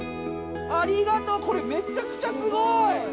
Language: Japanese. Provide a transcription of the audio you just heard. ありがとうこれめっちゃくちゃすごい！